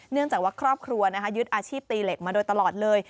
เนื่องจากว่าครอบครัวยึดอาชีพตีเหล็กมาโดยตลอดเลย